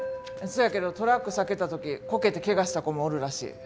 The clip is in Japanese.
せやけどトラック避けた時こけてけがした子もおるらしい。